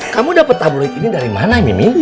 kamu dapet tabloid ini dari mana mimi